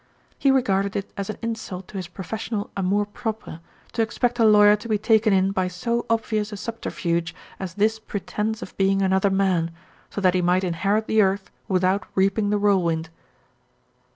He regarded it as an insult to his professional amour propre to expect a lawyer to be taken in by so obvious a subter fuge as this pretence of being another man, so that he might inherit the earth without reaping the whirlwind.